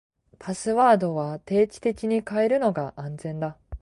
パスワードは定期的に変えるのが安全だ。